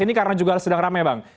ini karena juga sedang ramai bang